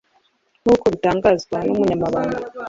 nk’uko bitangazwa n’Umunyamabanga